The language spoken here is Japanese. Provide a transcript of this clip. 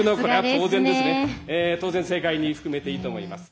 当然正解に含めていいと思います。